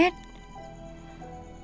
pantesan dia tidak ada disitu